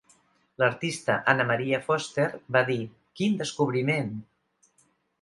L'artista Anna Maria Foster va dir: Quin descobriment!